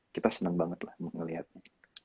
kita senang banget lah ngeliatnya